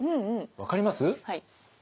分かります？